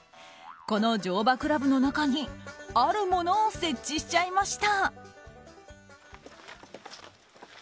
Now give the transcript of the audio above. この乗馬クラブの中にあるものを設置しちゃいました。